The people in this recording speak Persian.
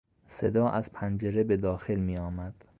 صدا از پنجره به داخل میآمد.